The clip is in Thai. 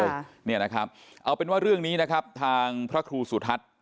แบ้งอยู่เนี่ยนะครับเอาเป็นว่าเรื่องนี้นะครับทางพระครูสุทัศน์ธรรมภิรมศรภิสิบที่